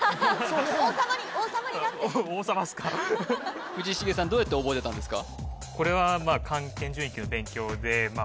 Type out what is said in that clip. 王様っすかどうやって覚えてたんですか？